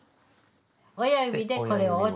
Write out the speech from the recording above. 親指でこれを。